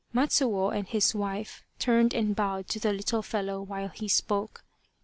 Matsuo and his wife turned and bowed to the little fellow while he spoke.